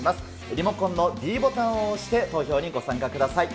リモコンのｄボタンを押して、投票にご参加ください。